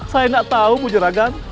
saya enggak tahu bu gerogang